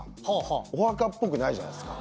お墓っぽくないじゃないすか。